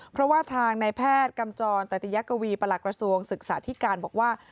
เพราะว่าทางนายแพทย์กำจรตติยกวีประหลักกระทรวงศึกษาธิการบอกว่า